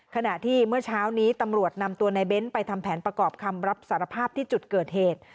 ขณะที่เมื่อเช้านี้ตำรวจนำตัวในเบ้นไปทำแผนประกอบคำรับสารภาพที่จุดเกิดเหตุ